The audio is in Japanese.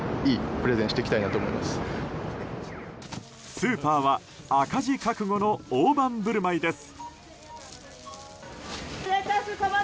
スーパーは赤字覚悟の大盤振る舞いです。